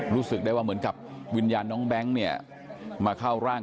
รู้สึกได้ว่าเหมือนกับวิญญาณน้องแบงค์เนี่ยมาเข้าร่าง